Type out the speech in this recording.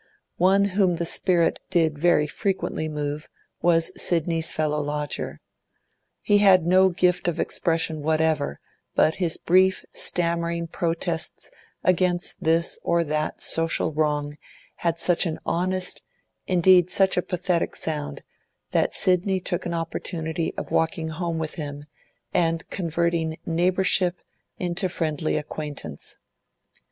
One whom the spirit did very frequently move was Sidney's fellow lodger; he had no gift of expression whatever, but his brief, stammering protests against this or that social wrong had such an honest, indeed such a pathetic sound, that Sidney took an opportunity of walking home with him and converting neighbourship into friendly acquaintance.